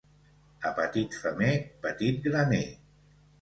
A petit femer, petit graner.